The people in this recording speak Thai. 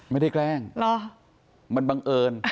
ไม่ได้แกล้ง